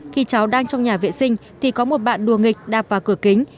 khi cháu đang trong nhà vệ sinh thì có một bạn đùa nghịch đạp vào cửa kính